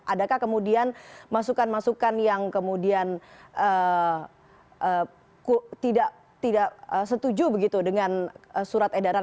adakah kemudian masukan masukan yang kemudian tidak setuju begitu dengan surat edaran